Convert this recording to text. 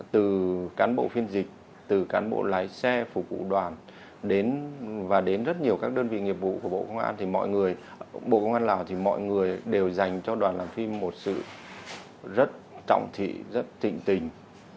từ cán bộ phiên dịch từ cán bộ lái xe phục vụ đoàn và đến rất nhiều các đơn vị nghiệp vụ của bộ công an lào thì mọi người đều dành cho đoàn làm phim một sự rất trọng thị rất tịnh tình